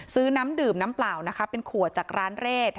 น้ำดื่มน้ำเปล่านะคะเป็นขวดจากร้านเรศ